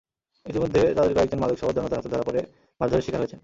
ইতিমধ্যে তাঁদের কয়েকজন মাদকসহ জনতার হাতে ধরা পড়ে মারধরের শিকার হয়েছেন।